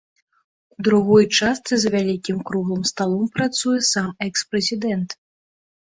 У другой частцы за вялікім круглым сталом працуе сам экс-прэзідэнт.